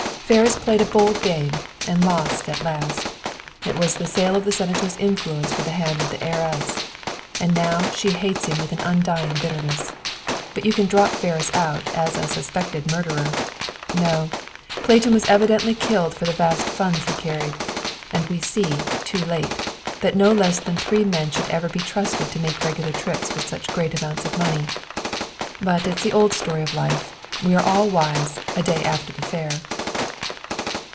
"Ferris played a bold game and lost at last. It was the sale of the Senator's influence for the hand of the heiress. And she now hates him with an undying bitterness. But you can drop Ferris out as a suspected murderer. No; Clayton was evidently killed for the vast funds he carried. And we see, too late, that no less than three men should ever be trusted to make regular trips with such great amounts of money. But it's the old story of life. We are all wise, a day after the fair!"